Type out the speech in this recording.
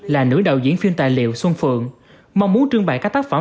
là nữ đạo diễn phim tài liệu xuân phượng mong muốn trưng bày các tác phẩm